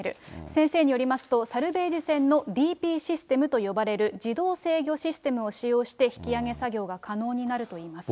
先生によりますと、サルベージ船のＤＰシステムと呼ばれる自動制御システムを使用して、引き揚げ作業が可能になるといいます。